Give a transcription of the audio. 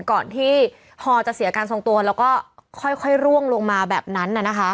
ก่อนที่ฮอจะเสียการทรงตัวแล้วก็ค่อยร่วงลงมาแบบนั้น